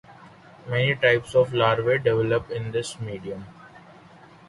Many types of larvae develop in this medium.